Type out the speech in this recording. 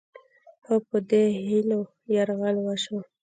خو په دې هیلو یرغل وشو